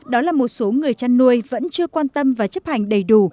đó là một số người chăn nuôi vẫn chưa quan tâm và chấp hành đầy đủ